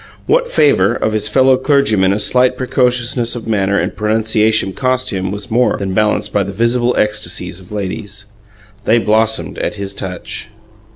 What favour of his fellow clergymen a slight precociousness of manner and pronunciation cost him was more than balanced by the visible ecstasies of ladies. They blossomed at his touch.